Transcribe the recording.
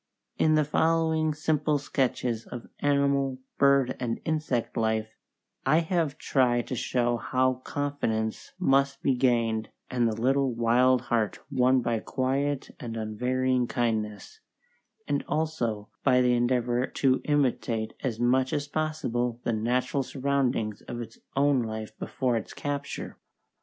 In the following simple sketches of animal, bird, and insect life, I have tried to show how confidence must be gained, and the little wild heart won by quiet and unvarying kindness, and also by the endeavour to imitate as much as possible the natural surroundings of its own life before its capture.